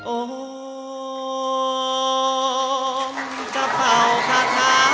โอ้มกระเป๋าคาท้ามารรวย